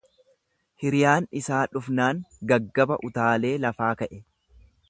Hiriyaan isaa dhufnaan gaggaba utaalee lafaa ka'e.